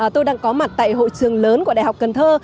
tôi đang có mặt tại hội trường lớn của đại học cần thơ